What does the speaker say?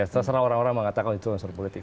terserah orang orang mengatakan itu unsur politik